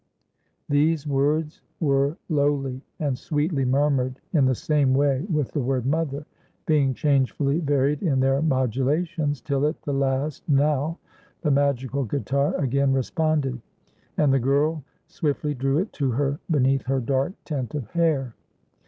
These words were lowly and sweetly murmured in the same way with the word mother, being changefully varied in their modulations, till at the last now, the magical guitar again responded; and the girl swiftly drew it to her beneath her dark tent of hair.